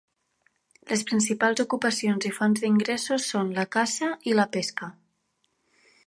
Les principals ocupacions i fonts d'ingressos són la caça i la pesca.